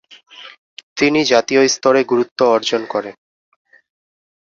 তিনি জাতীয় স্তরে গুরুত্ব অর্জন করেন।